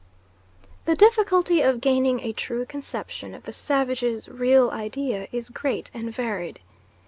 The difficulty of gaining a true conception of the savage's real idea is great and varied.